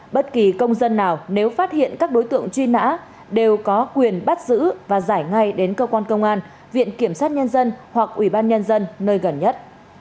bất kỳ công dân nào nếu phát hiện các đối tượng truy nã đều có quyền bắt giữ và giải ngay đến cơ quan công an viện kiểm sát nhân dân hoặc ủy ban nhân dân nơi gần nhất